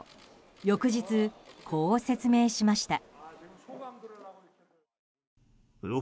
翌日、こう説明しました。